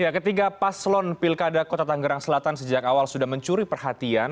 ketiga paslon pilkada kota tanggerang selatan sejak awal sudah mencuri perhatian